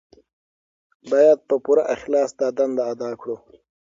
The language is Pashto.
باید په پوره اخلاص دا دنده ادا کړو.